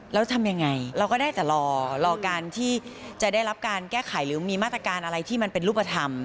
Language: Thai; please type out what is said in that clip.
แล้วทำยังไงเราก็ได้แต่รอรอการที่จะได้รับการแก้ไขหรือมีมาตรการอะไรที่มันเป็นรูปธรรม